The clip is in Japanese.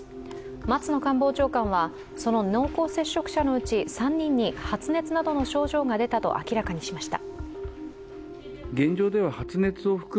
松野官房長官は、その濃厚接触者のうち３人に発熱などの症状が出たと明らかにしました。